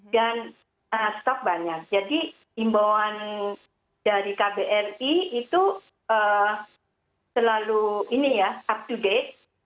dan stok banyak jadi imbauan dari kbri itu selalu up to date